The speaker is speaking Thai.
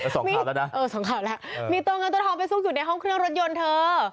สองข่าวแล้วนะเออสองข่าวแล้วมีตัวเงินตัวทองไปซุกอยู่ในห้องเครื่องรถยนต์เธอ